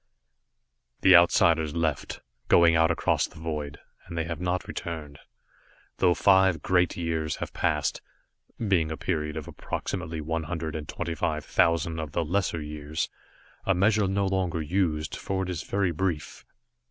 The Outsiders left, going out across the void, and they have not returned, though five Great Years have passed, being a period of approximately one hundred and twenty five thousand of the lesser years a measure no longer used, for it is very brief.